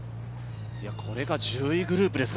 これが１０位グループですか？